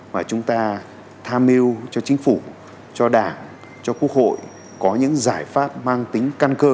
và chúng ta tham mưu cho chính phủ cho đảng cho quốc hội có những giải pháp mang tính căn cơ